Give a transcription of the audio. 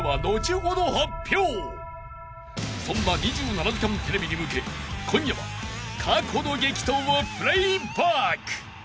［そんな『２７時間テレビ』に向け今夜は過去の激闘をプレイバック］